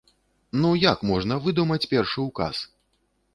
Ну як можна выдумаць першы указ?